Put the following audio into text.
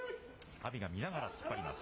阿炎が見ながら突っ張ります。